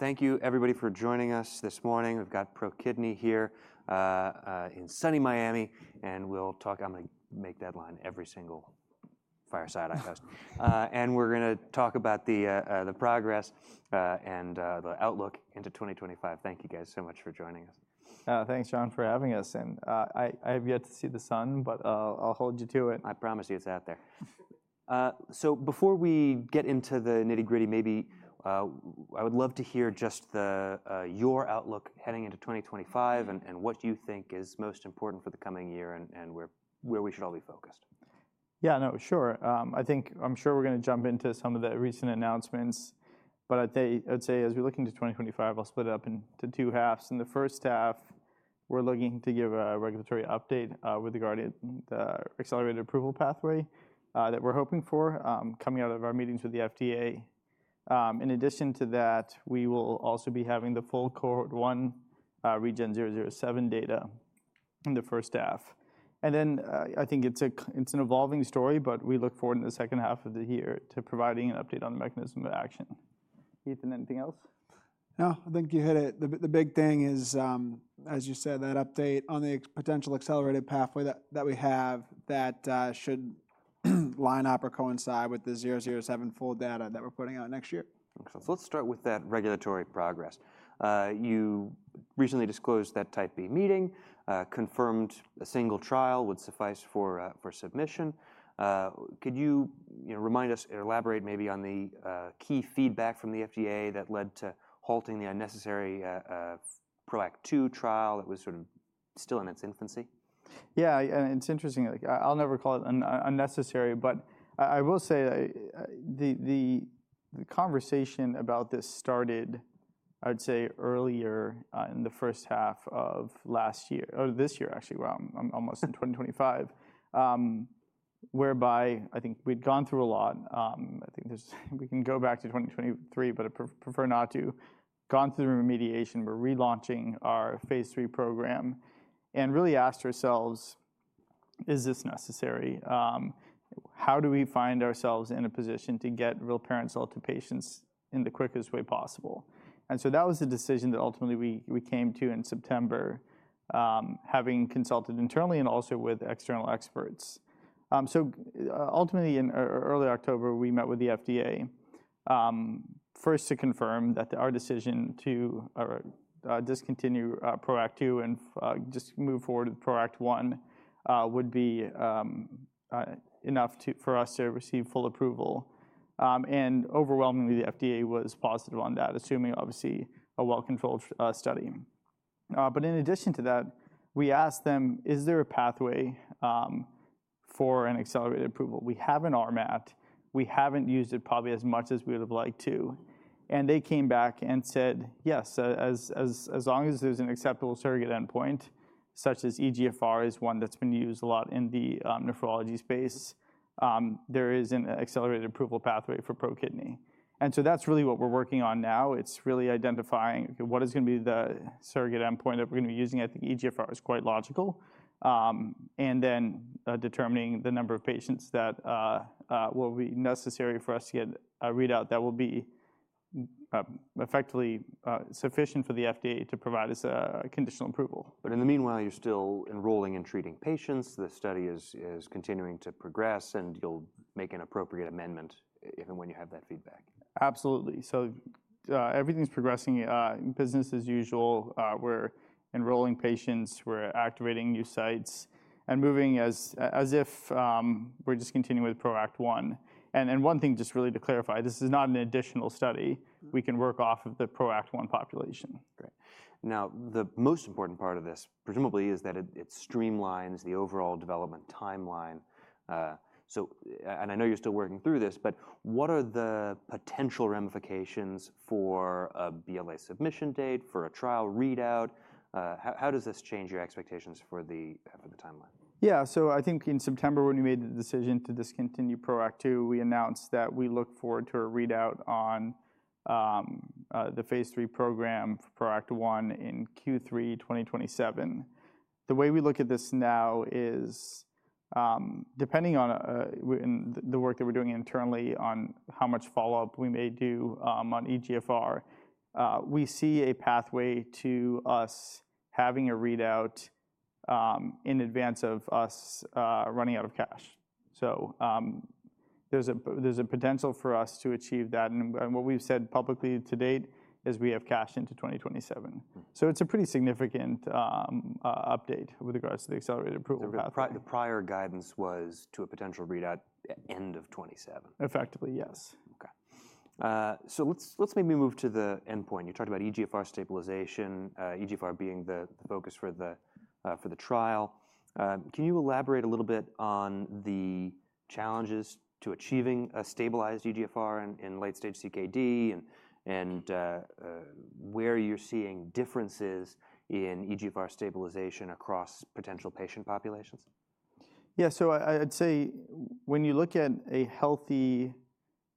Thank you, everybody, for joining us this morning. We've got ProKidney here in sunny Miami, and we'll talk. I'm going to make that line every single fireside podcast, and we're going to talk about the progress and the outlook into 2025. Thank you, guys, so much for joining us. Thanks, John, for having us. And I have yet to see the sun, but I'll hold you to it. I promise you it's out there. So before we get into the nitty-gritty, maybe I would love to hear just your outlook heading into 2025 and what you think is most important for the coming year and where we should all be focused. Yeah, no, sure. I think I'm sure we're going to jump into some of the recent announcements, but I'd say, as we look into 2025, I'll split it up into two halves. In the first half, we're looking to give a regulatory update with regard to the accelerated approval pathway that we're hoping for coming out of our meetings with the FDA. In addition to that, we will also be having the full Cohort 1, REGEN-007 data in the first half. And then I think it's an evolving story, but we look forward in the second half of the year to providing an update on the mechanism of action. Ethan, anything else? No, I think you hit it. The big thing is, as you said, that update on the potential accelerated pathway that we have that should line up or coincide with the REGEN-007 full data that we're putting out next year. Excellent. So let's start with that regulatory progress. You recently disclosed that Type B meeting confirmed a single trial would suffice for submission. Could you remind us or elaborate maybe on the key feedback from the FDA that led to halting the unnecessary PROACT 2 trial that was sort of still in its infancy? Yeah, it's interesting. I'll never call it unnecessary, but I will say the conversation about this started, I'd say, earlier in the first half of last year or this year, actually, well, almost in 2025, whereby I think we'd gone through a lot. I think we can go back to 2023, but I prefer not to. Gone through the remediation. We're relaunching our phase 3 program and really asked ourselves, is this necessary? How do we find ourselves in a position to get rilparencel to patients in the quickest way possible? And so that was the decision that ultimately we came to in September, having consulted internally and also with external experts. So ultimately, in early October, we met with the FDA first to confirm that our decision to discontinue PROACT 2 and just move forward with PROACT 1 would be enough for us to receive full approval. Overwhelmingly, the FDA was positive on that, assuming, obviously, a well-controlled study. But in addition to that, we asked them, is there a pathway for an accelerated approval? We have an RMAT. We haven't used it probably as much as we would have liked to. And they came back and said, yes, as long as there's an acceptable surrogate endpoint, such as eGFR, is one that's been used a lot in the nephrology space, there is an accelerated approval pathway for ProKidney. And so that's really what we're working on now. It's really identifying what is going to be the surrogate endpoint that we're going to be using. I think eGFR is quite logical. And then determining the number of patients that will be necessary for us to get a readout that will be effectively sufficient for the FDA to provide us a conditional approval. But in the meanwhile, you're still enrolling and treating patients. The study is continuing to progress, and you'll make an appropriate amendment if and when you have that feedback. Absolutely. So everything's progressing business as usual. We're enrolling patients. We're activating new sites and moving as if we're discontinuing with PROACT 1. And one thing, just really to clarify, this is not an additional study. We can work off of the PROACT 1 population. Great. Now, the most important part of this, presumably, is that it streamlines the overall development timeline. And I know you're still working through this, but what are the potential ramifications for a BLA submission date, for a trial readout? How does this change your expectations for the timeline? Yeah, so I think in September, when we made the decision to discontinue PROACT 2, we announced that we look forward to a readout on the phase 3 program for PROACT 1 in Q3 2027. The way we look at this now is, depending on the work that we're doing internally on how much follow-up we may do on eGFR, we see a pathway to us having a readout in advance of us running out of cash. So there's a potential for us to achieve that. And what we've said publicly to date is we have cash into 2027. So it's a pretty significant update with regards to the accelerated approval pathway. The prior guidance was to a potential readout end of 2027. Effectively, yes. Okay. So let's maybe move to the endpoint. You talked about eGFR stabilization, eGFR being the focus for the trial. Can you elaborate a little bit on the challenges to achieving a stabilized eGFR in late-stage CKD and where you're seeing differences in eGFR stabilization across potential patient populations? Yeah, so I'd say when you look at a healthy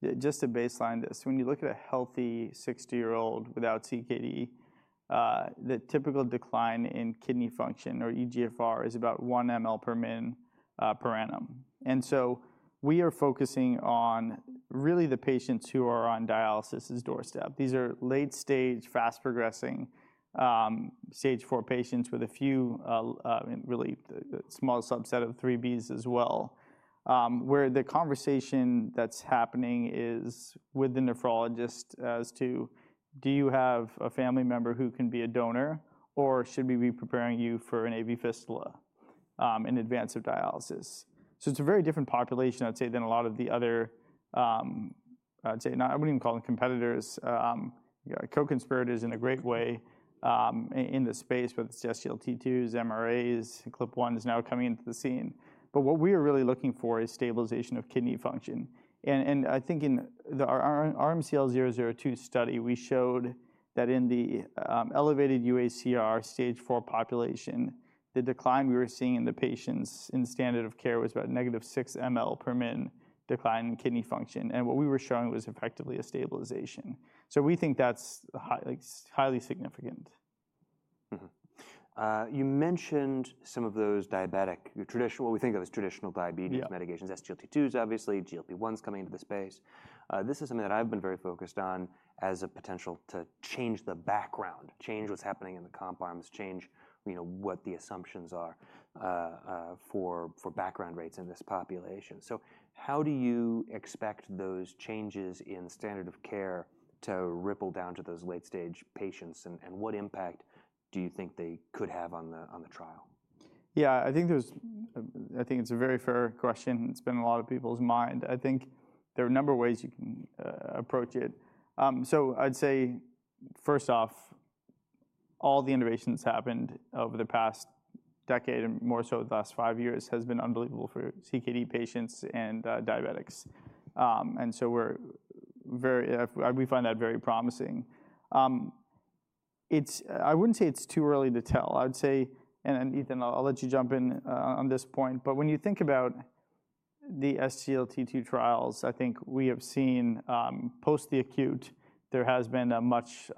60-year-old without CKD, the typical decline in kidney function or eGFR is about 1 mL per min per annum. And so we are focusing on really the patients who are on the doorstep of dialysis. These are late-stage, fast-progressing stage 4 patients with a few, really small subset of 3Bs as well, where the conversation that's happening is with the nephrologist as to, do you have a family member who can be a donor, or should we be preparing you for an AV fistula in advance of dialysis? So it's a very different population, I'd say, than a lot of the other, I'd say. I wouldn't even call them competitors, co-conspirators in a great way in the space, whether it's SGLT2s, MRAs, GLP-1s now coming into the scene. But what we are really looking for is stabilization of kidney function. And I think in our RMCL-002 study, we showed that in the elevated UACR Stage 4 population, the decline we were seeing in the patients in standard of care was about negative six mL per min decline in kidney function. And what we were showing was effectively a stabilization. So we think that's highly significant. You mentioned some of those diabetic, what we think of as traditional diabetes mitigations, SGLT2s, obviously, GLP-1s coming into the space. This is something that I've been very focused on as a potential to change the background, change what's happening in the comp arms, change what the assumptions are for background rates in this population. So how do you expect those changes in standard of care to ripple down to those late-stage patients, and what impact do you think they could have on the trial? Yeah, I think it's a very fair question. It's been in a lot of people's mind. I think there are a number of ways you can approach it. So I'd say, first off, all the innovations that's happened over the past decade and more so the last five years has been unbelievable for CKD patients and diabetics. And so we find that very promising. I wouldn't say it's too early to tell. I would say, and Ethan, I'll let you jump in on this point, but when you think about the SGLT2 trials, I think we have seen post the acute, there has been a much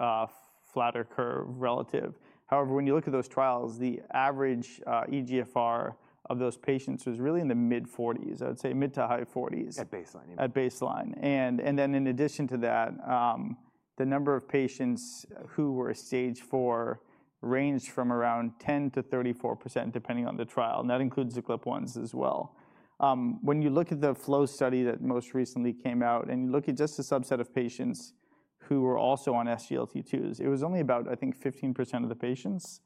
flatter curve relative. However, when you look at those trials, the average eGFR of those patients was really in the mid-40s, I'd say mid to high 40s. At baseline. At baseline, and then in addition to that, the number of patients who were Stage 4 ranged from around 10%-34%, depending on the trial, and that includes the GLP-1s as well. When you look at the FLOW study that most recently came out and you look at just a subset of patients who were also on SGLT2s, it was only about, I think, 15% of the patients,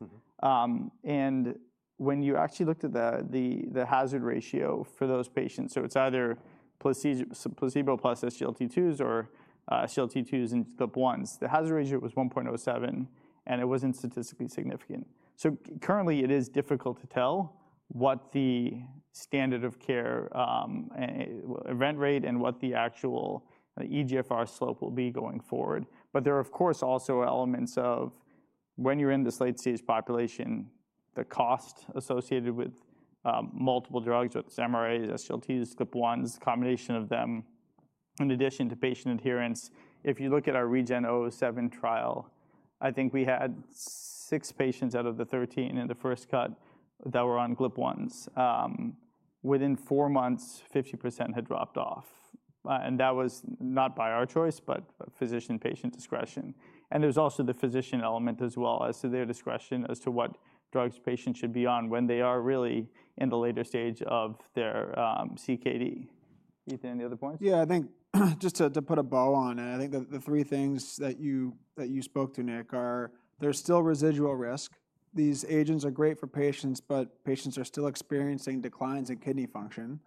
and when you actually looked at the hazard ratio for those patients, so it's either placebo plus SGLT2s or SGLT2s and GLP-1s, the hazard ratio was 1.07, and it wasn't statistically significant, so currently, it is difficult to tell what the standard of care event rate and what the actual eGFR slope will be going forward. But there are, of course, also elements of when you're in this late-stage population, the cost associated with multiple drugs, whether it's MRAs, SGLTs, GLP-1s, combination of them, in addition to patient adherence. If you look at our REGEN-007 trial, I think we had six patients out of the 13 in the first cut that were on GLP-1s. Within four months, 50% had dropped off. And that was not by our choice, but physician-patient discretion. And there's also the physician element as well as to their discretion as to what drugs patients should be on when they are really in the later stage of their CKD. Ethan, any other points? Yeah, I think just to put a bow on it, I think the three things that you spoke to, Nick, are there's still residual risk. These agents are great for patients, but patients are still experiencing declines in kidney function.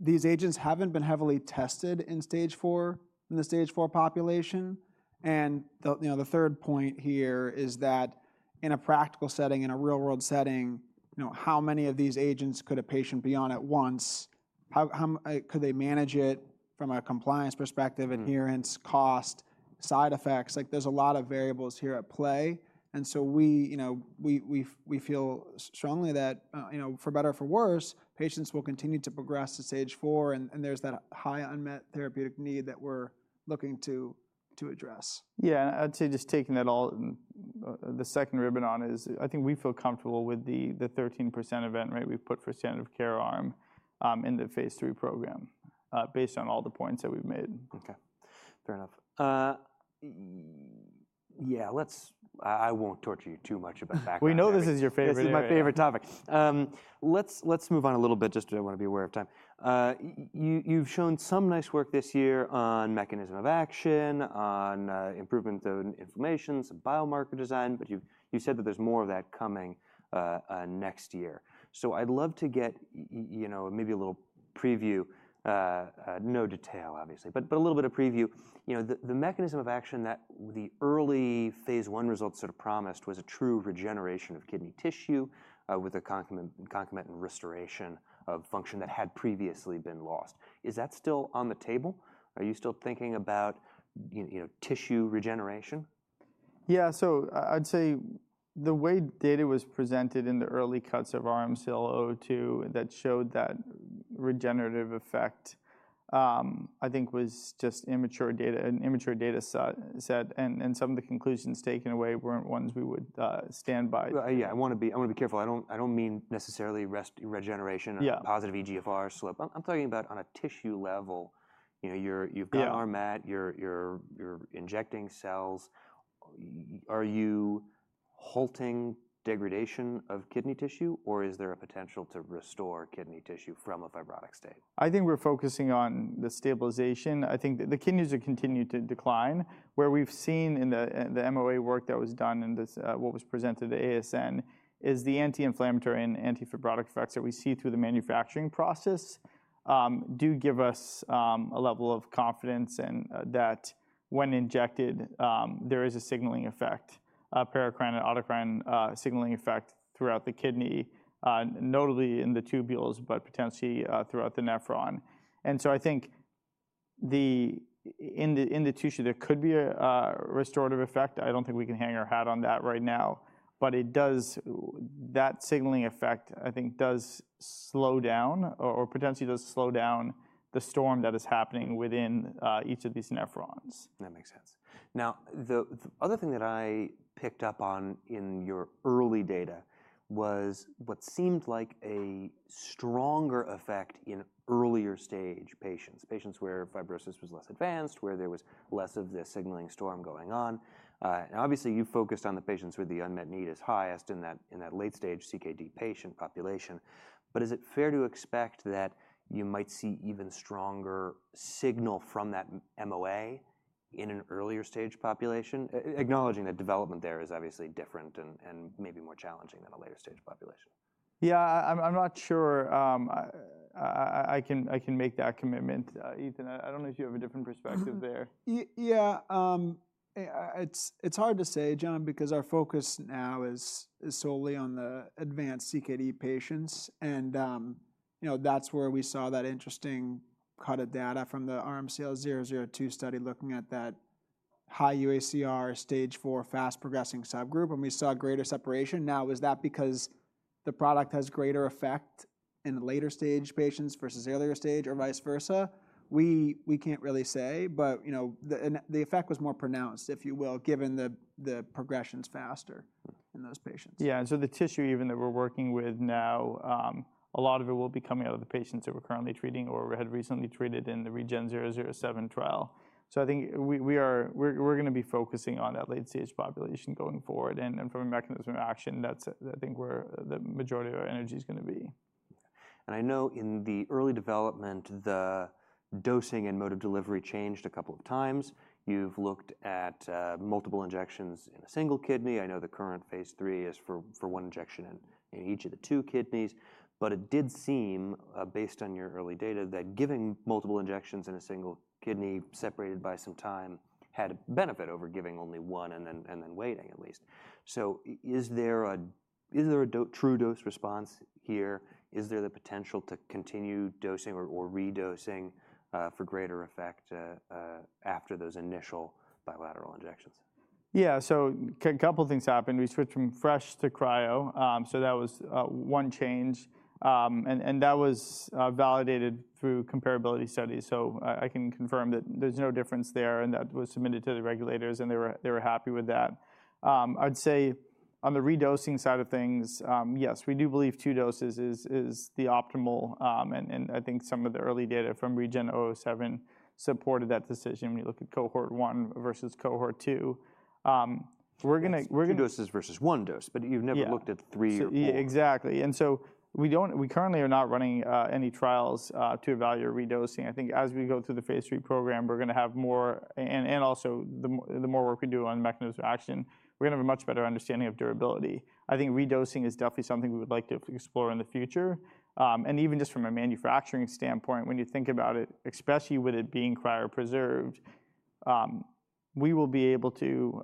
These agents haven't been heavily tested in Stage 4 in the Stage 4 population. And the third point here is that in a practical setting, in a real-world setting, how many of these agents could a patient be on at once? Could they manage it from a compliance perspective, adherence, cost, side effects? There's a lot of variables here at play. And so we feel strongly that for better or for worse, patients will continue to progress to Stage 4, and there's that high unmet therapeutic need that we're looking to address. Yeah, and I'd say just taking that all, the second run-in on is I think we feel comfortable with the 13% event rate we've put for standard of care arm in the phase 3 program based on all the points that we've made. Okay. Fair enough. Yeah, I won't torture you too much about background. We know this is your favorite topic. This is my favorite topic. Let's move on a little bit just because I want to be aware of time. You've shown some nice work this year on mechanism of action, on improvement of inflammation, some biomarker design, but you said that there's more of that coming next year. So I'd love to get maybe a little preview, no detail, obviously, but a little bit of preview. The mechanism of action that the early phase 1 results sort of promised was a true regeneration of kidney tissue with a concomitant restoration of function that had previously been lost. Is that still on the table? Are you still thinking about tissue regeneration? Yeah, so I'd say the way data was presented in the early cuts of RMCL-002 that showed that regenerative effect, I think, was just an immature data set, and some of the conclusions taken away weren't ones we would stand by. Yeah, I want to be careful. I don't mean necessarily regeneration or positive eGFR slip. I'm talking about on a tissue level. You've got RMAT. You're injecting cells. Are you halting degradation of kidney tissue, or is there a potential to restore kidney tissue from a fibrotic state? I think we're focusing on the stabilization. I think the kidneys are continuing to decline, where we've seen in the MOA work that was done and what was presented to ASN is the anti-inflammatory and anti-fibrotic effects that we see through the manufacturing process do give us a level of confidence that when injected, there is a signaling effect, paracrine and autocrine signaling effect throughout the kidney, notably in the tubules, but potentially throughout the nephron. And so I think in the tissue, there could be a restorative effect. I don't think we can hang our hat on that right now. But that signaling effect, I think, does slow down or potentially does slow down the storm that is happening within each of these nephrons. That makes sense. Now, the other thing that I picked up on in your early data was what seemed like a stronger effect in earlier stage patients, patients where fibrosis was less advanced, where there was less of this signaling storm going on. And obviously, you focused on the patients where the unmet need is highest in that late-stage CKD patient population. But is it fair to expect that you might see even stronger signal from that MOA in an earlier stage population, acknowledging that development there is obviously different and maybe more challenging than a later-stage population? Yeah, I'm not sure I can make that commitment. Ethan, I don't know if you have a different perspective there. Yeah, it's hard to say, John, because our focus now is solely on the advanced CKD patients. And that's where we saw that interesting cut of data from the RMCL-002 study looking at that high UACR Stage 4 fast-progressing subgroup, and we saw greater separation. Now, was that because the product has greater effect in later-stage patients versus earlier stage or vice versa? We can't really say, but the effect was more pronounced, if you will, given the progression's faster in those patients. Yeah, and so the tissue even that we're working with now, a lot of it will be coming out of the patients that we're currently treating or had recently treated in the REGEN-007 trial. So I think we're going to be focusing on that late-stage population going forward. And from a mechanism of action, that's I think where the majority of our energy is going to be. I know in the early development, the dosing and mode of delivery changed a couple of times. You've looked at multiple injections in a single kidney. I know the current phase 3 is for one injection in each of the two kidneys, but it did seem, based on your early data, that giving multiple injections in a single kidney separated by some time had a benefit over giving only one and then waiting, at least. Is there a true dose response here? Is there the potential to continue dosing or redosing for greater effect after those initial bilateral injections? Yeah, so a couple of things happened. We switched from fresh to cryo, so that was one change, and that was validated through comparability studies, so I can confirm that there's no difference there, and that was submitted to the regulators, and they were happy with that. I'd say on the redosing side of things, yes, we do believe two doses is the optimal, and I think some of the early data from REGEN-007 supported that decision when you look at cohort one versus cohort two. Two doses versus one dose, but you've never looked at three or four. Exactly. And so we currently are not running any trials to evaluate redosing. I think as we go through the phase 3 program, we're going to have more, and also the more work we do on mechanism of action, we're going to have a much better understanding of durability. I think redosing is definitely something we would like to explore in the future. And even just from a manufacturing standpoint, when you think about it, especially with it being cryopreserved, we will be able to,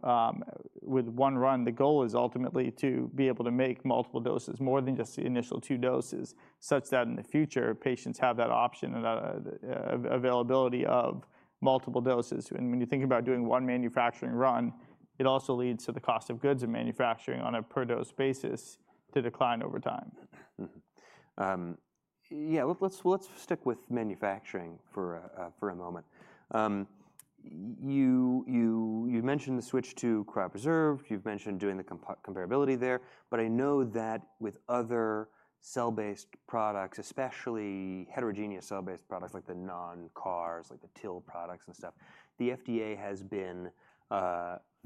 with one run, the goal is ultimately to be able to make multiple doses, more than just the initial two doses, such that in the future, patients have that option and availability of multiple doses. And when you think about doing one manufacturing run, it also leads to the cost of goods and manufacturing on a per-dose basis to decline over time. Yeah, let's stick with manufacturing for a moment. You mentioned the switch to cryopreserved. You've mentioned doing the comparability there. But I know that with other cell-based products, especially heterogeneous cell-based products like the non-CARs, like the TIL products and stuff, the FDA has been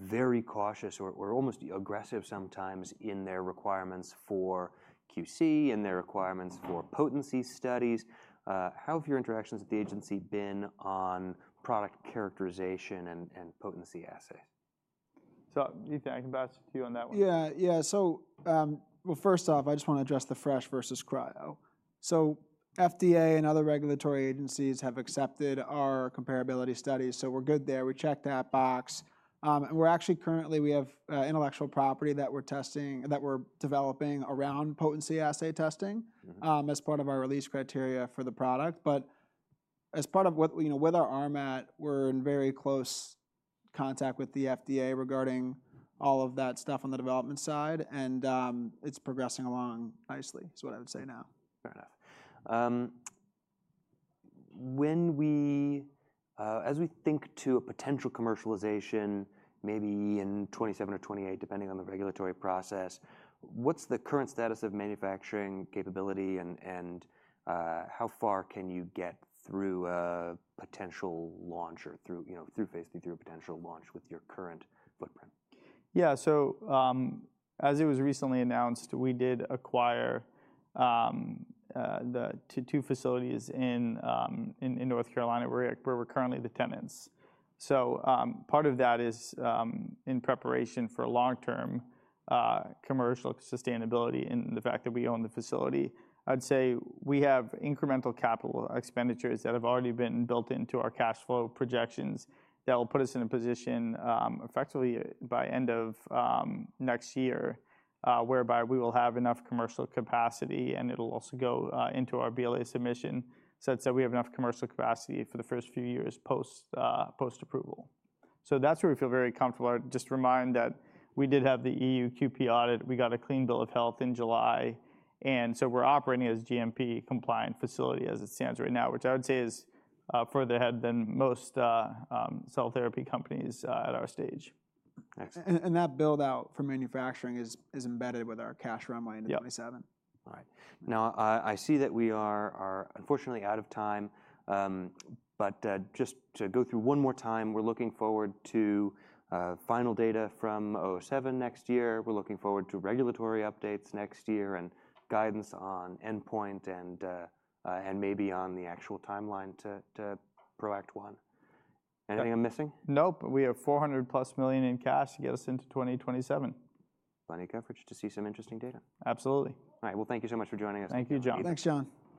very cautious or almost aggressive sometimes in their requirements for QC and their requirements for potency studies. How have your interactions with the agency been on product characterization and potency assays? So Ethan, I can pass it to you on that one. Yeah, yeah. So well, first off, I just want to address the fresh versus cryo. So FDA and other regulatory agencies have accepted our comparability studies. So we're good there. We checked that box. And we're actually currently, we have intellectual property that we're developing around potency assay testing as part of our release criteria for the product. But as part of what with our RMAT, we're in very close contact with the FDA regarding all of that stuff on the development side. And it's progressing along nicely is what I would say now. Fair enough. As we think to a potential commercialization, maybe in 2027 or 2028, depending on the regulatory process, what's the current status of manufacturing capability, and how far can you get through a potential launch or through phase 3 through a potential launch with your current footprint? Yeah, so as it was recently announced, we did acquire two facilities in North Carolina where we're currently the tenants. So part of that is in preparation for long-term commercial sustainability and the fact that we own the facility. I'd say we have incremental capital expenditures that have already been built into our cash flow projections that will put us in a position effectively by end of next year, whereby we will have enough commercial capacity, and it'll also go into our BLA submission such that we have enough commercial capacity for the first few years post-approval. So that's where we feel very comfortable. Just to remind that we did have the EU QP audit. We got a clean bill of health in July. We're operating as a GMP-compliant facility as it stands right now, which I would say is further ahead than most cell therapy companies at our stage. Excellent. That build-out for manufacturing is embedded with our cash runway in 2027. All right. Now, I see that we are unfortunately out of time. But just to go through one more time, we're looking forward to final data from '07 next year. We're looking forward to regulatory updates next year and guidance on endpoint and maybe on the actual timeline to PROACT 1. Anything I'm missing? Nope. We have $400+ million in cash to get us into 2027. Plenty of coverage to see some interesting data. Absolutely. All right. Well, thank you so much for joining us. Thank you, John. Thanks, John.